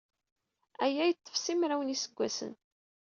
Aya yeḍḍef simraw n yiseggasen.